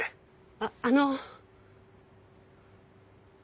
あっあの。